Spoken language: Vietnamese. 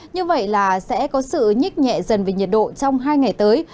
như vậy là sẽ có sự nhích nhẹ dần về nhiệt độ trong hai ngày tới